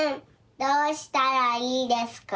どうしたらいいですか？